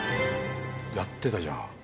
やってたじゃん。